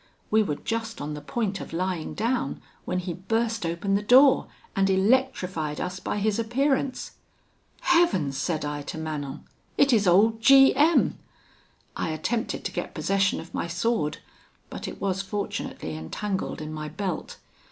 We were just on the point of lying down when he burst open the door, and electrified us by his appearance. 'Heavens!' said I to Manon, 'it is old G M .' I attempted to get possession of my sword; but it was fortunately entangled in my belt.